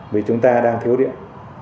vì chúng ta đang thiếu điện